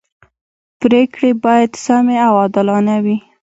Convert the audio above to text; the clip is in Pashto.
پریکړي باید سمي او عادلانه يي.